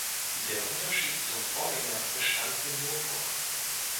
Der Unterschied zum Vorgänger bestand im Motor.